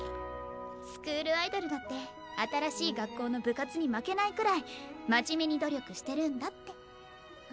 スクールアイドルだって新しい学校の部活に負けないくらい真面目に努力してるんだって。